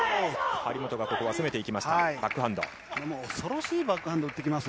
張本がここは攻めていきました。